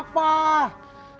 gak kata juga apa